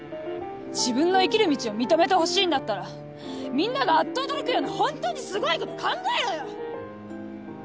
自分の生きる道を認めてほしいんだったらみんながあっと驚くような本当にすごいこと考えろよ‼